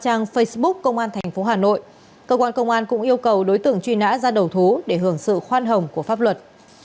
trang facebook công an tp hà nội cơ quan công an cũng yêu cầu đối tượng truy nã ra đầu thú để hưởng sự khoan hồng của pháp luật